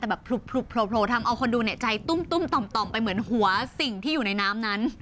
แต่แบบผลุบโผล่ทำเอาคนดูเนี่ยใจตุ้มต่อมไปเหมือนหัวสิ่งที่อยู่ในน้ำนั้น